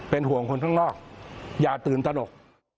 ห่วงคนข้างนอกอย่าตื่นตนก